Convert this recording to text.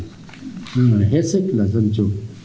đừng phải hết sức là dân chủ